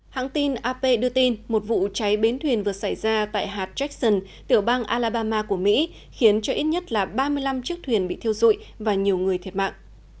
hãng tin ap đưa tin một vụ cháy bến thuyền vừa xảy ra tại hạt jackson tiểu bang alabama của mỹ khiến cho ít nhất là ba mươi năm chiếc thuyền bị thiêu dụi và nhiều người thiệt mạng